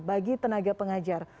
bagi tenaga pengajar